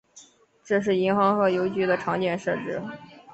这是银行和邮局的常见设置。